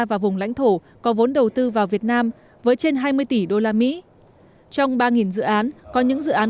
và vùng lãnh thổ có vốn đầu tư vào việt nam với trên hai mươi tỷ usd trong ba dự án có những dự án